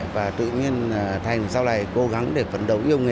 và tự nhiên thành sau này cố gắng để phấn đấu yêu nghề